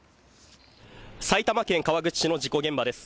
埼玉県川口市の事故現場です。